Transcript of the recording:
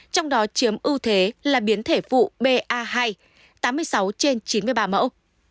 trong đó chiếm ưu thế là biến thể vụ ba hai tám mươi sáu trên chín mươi ba mẫu